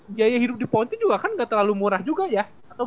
biaya hidup di ponti juga kan ga terlalu murah juga ya